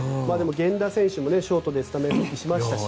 源田選手もショートでスタメン復帰しましたし。